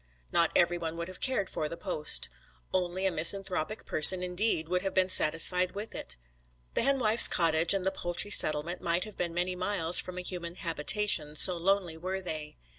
Not every one would have cared for the post. Only a misanthropic person indeed would have been satisfied with it. The henwife's cottage and the poultry settlement might have been many miles from a human habitation, so lonely were they.